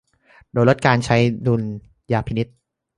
โดยลดการใช้ดุลยพินิจ